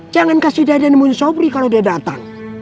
jangan kasih dede nemuin sobri kalo dia datang